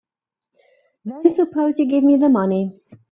Then suppose you give me the money.